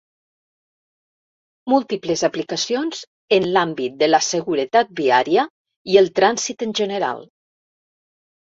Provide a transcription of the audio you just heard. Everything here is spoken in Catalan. Múltiples aplicacions en l'àmbit de la seguretat viària i el trànsit en general.